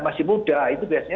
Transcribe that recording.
masih muda itu biasanya